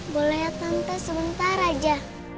boleh tante sebentar aja